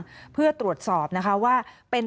และครอบครัวกลาง